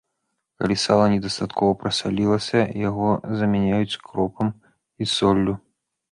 Калі сала недастаткова прасалілася, яго замяняюць кропам і соллю.